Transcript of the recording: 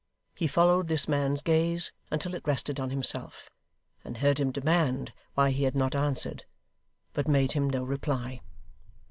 He followed this man's gaze until it rested on himself, and heard him demand why he had not answered, but made him no reply.